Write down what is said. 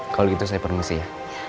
kalau gitu saya promosi ya